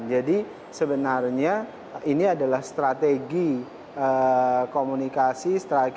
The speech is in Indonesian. jadi sebenarnya ini adalah strategi komunikasi